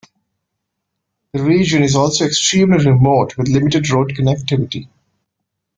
The region is also extremely remote, with limited road connectivity.